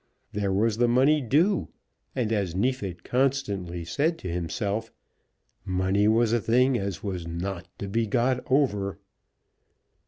There was the money due, and, as Neefit constantly said to himself, "money was a thing as was not to be got over."